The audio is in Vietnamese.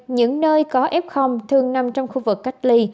những nơi có f thường nằm trong khu vực cách ly